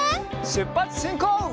しゅっぱつしんこう！